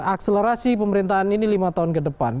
akselerasi pemerintahan ini lima tahun ke depan